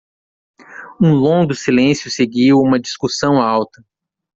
Um longo silêncio seguiu uma discussão alta.